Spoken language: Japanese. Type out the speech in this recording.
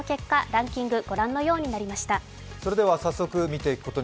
ランキング、ご覧のようになりました。